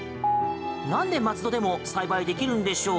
なんで、松戸でも栽培できるんでしょう？